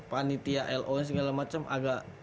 panitia lo segala macam agak